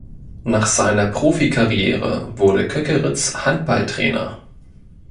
Nach seiner Profi-Karriere wurde Köckeritz Handballtrainer.